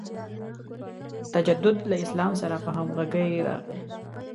تجدد له اسلام سره په همغږۍ راغی.